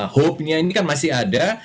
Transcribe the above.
hopenya ini kan masih ada